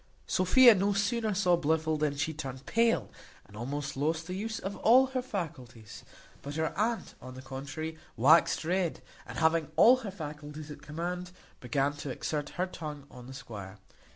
Sophia no sooner saw Blifil than she turned pale, and almost lost the use of all her faculties; but her aunt, on the contrary, waxed red, and, having all her faculties at command, began to exert her tongue on the squire.